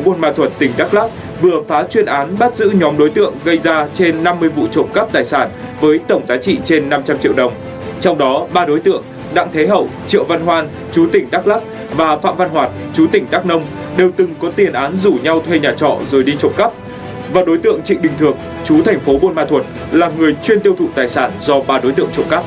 bồn ma thuật tỉnh đắk lắk vừa phá chuyên án bắt giữ nhóm đối tượng gây ra trên năm mươi vụ trộm cắp tài sản với tổng giá trị trên năm trăm linh triệu đồng trong đó ba đối tượng đặng thế hậu triệu văn hoan chú tỉnh đắk lắk và phạm văn hoạt chú tỉnh đắk nông đều từng có tiền án rủ nhau thuê nhà trọ rồi đi trộm cắp và đối tượng trịnh đình thược chú thành phố bồn ma thuật là người chuyên tiêu thụ tài sản do ba đối tượng trộm cắp